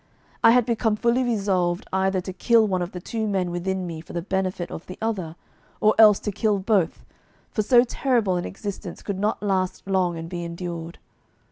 I had become fully resolved either to kill one of the two men within me for the benefit of the other, or else to kill both, for so terrible an existence could not last long and be endured.